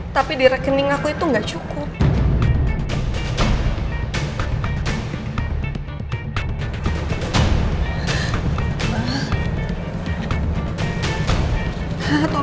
tapi di rekening aku itu nggak cukup